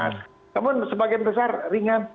namun sebagian besar ringan